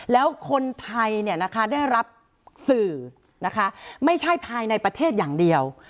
แล้วคนไทยได้รับสื่อนะคะไม่ใช่ภายในประเทศอย่างเดียว